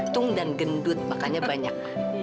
tung dan gendut makanya banyak